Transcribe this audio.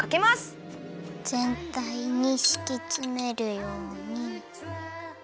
ぜんたいにしきつめるように。